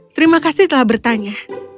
terima kasih telah bertanya